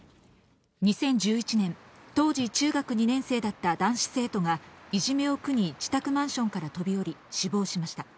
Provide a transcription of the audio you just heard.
２０１１年、当時中学２年生だった男子生徒が、いじめを苦に自宅マンションから飛び降り死亡しました。